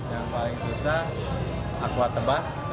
yang paling susah aqua tebas